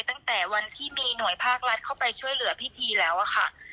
ตั้งแต่วันที่มีหน่วยภาครัฐเข้าไปช่วยเหลือพิธีแล้วอะค่ะ